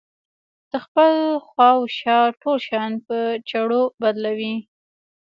د خپل خواوشا ټول شيان په چرو بدلوي.